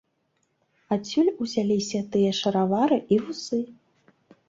Адсюль узяліся тыя шаравары і вусы.